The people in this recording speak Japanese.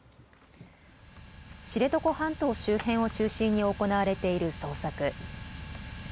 知床半島周辺を中心に行われている捜索。